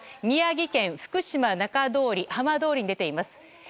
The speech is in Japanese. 宮城県、福島中通り浜通りに出ています。